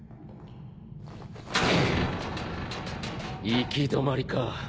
行き止まりか。